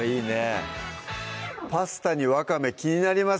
パスタにわかめ気になります